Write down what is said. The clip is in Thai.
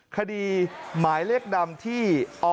คดีหมายเลขดำที่อ๓๐๐๒๕๖๔